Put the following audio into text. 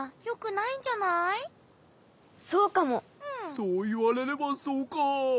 そういわれればそうか。